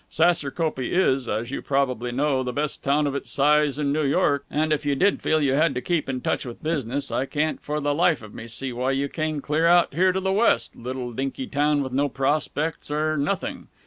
Saserkopee is, as you probably know, the best town of its size in New York, and if you did feel you had to keep in touch with business, I can't for the life of me see why you came clear out here to the West little dinky town with no prospects or nothing.